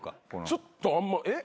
ちょっとあんまえっ？